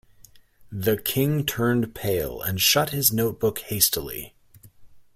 The King turned pale, and shut his note-book hastily.